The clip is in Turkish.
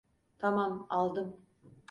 Tamam aldım.